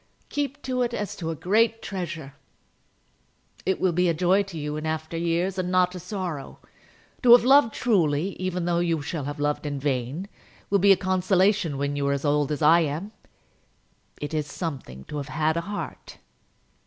"Keep to it as to a great treasure. It will be a joy to you in after years, and not a sorrow. To have loved truly, even though you shall have loved in vain, will be a consolation when you are as old as I am. It is something to have had a heart."